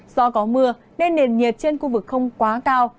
do có mưa nên nền nhiệt trên khu vực không quá cao